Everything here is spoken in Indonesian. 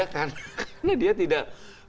karena dia tidak